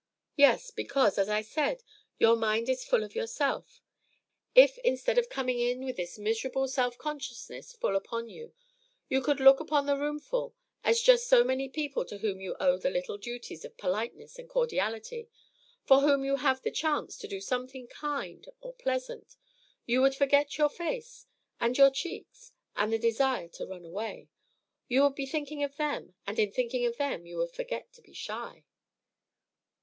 "Yes, because, as I said, your mind is full of yourself. If instead of coming in with this miserable self consciousness full upon you, you could look upon the roomful as just so many people to whom you owe the little duties of politeness and cordiality, for whom you have the chance to do something kind or pleasant, you would forget your face and your cheeks and the desire to run away. You would be thinking of them, and in thinking of them you would forget to be shy."